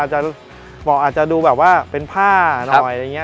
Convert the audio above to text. เหมือนจะดูแบบว่าเป็นผ้าน่อย